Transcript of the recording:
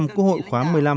quốc hội khóa một mươi năm